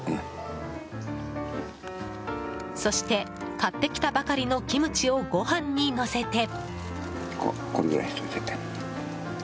そして買ってきたばかりのキムチをご飯にのせて。